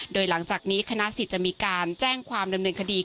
โดยหลังจากนี้คณะสิทธิ์จะมีการแจ้งความดำเนินคดี